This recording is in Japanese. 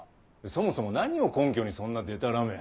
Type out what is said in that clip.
そもそも何を根拠にそんなデタラメ。